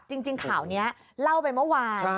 จริงข่าวนี้เล่าไปเมื่อวาน